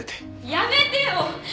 やめてよ！